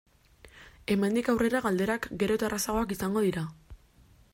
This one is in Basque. Hemendik aurrera galderak gero eta errazagoak izango dira.